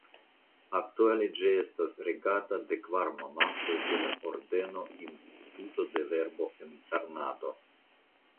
Aktuale ĝi estas regata de kvar monaĥoj de la ordeno "Instituto del Verbo Encarnado".